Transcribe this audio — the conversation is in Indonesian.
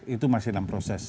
itu masih dalam proses